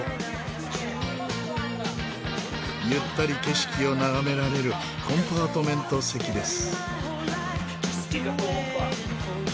ゆったり景色を眺められるコンパートメント席です。